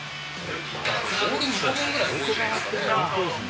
ボール２個分ぐらい動いてるんじゃないですかね。